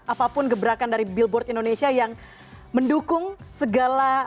apapun gebrakan dari billboard indonesia yang mendukung segala